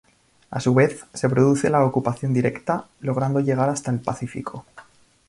A su vez, se produce la ocupación directa, logrando llegar hasta el Pacífico.